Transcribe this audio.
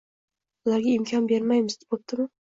bularga imkon bermaymiz, bo‘ptimi?